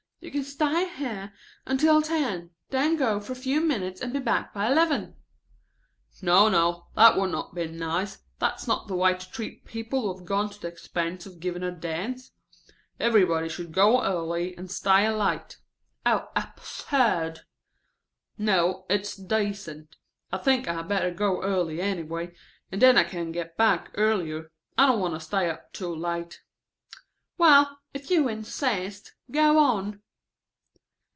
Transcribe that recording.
You can stay here until ten, then go for a few minutes and be back by eleven." "No, no, that would not be nice. That's not the way to treat people who have gone to the expense of giving a dance. Everybody should go early and stay late." "Oh, absurd." "No, it's decent. I think I had better go early anyway, and then I can get back earlier. I don't want to stay up too late." "Well, if you insist, go on."